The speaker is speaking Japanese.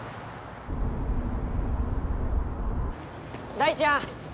大ちゃん